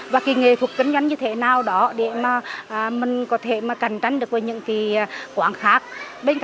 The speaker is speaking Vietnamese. và kỳ nghề phục kinh doanh như thế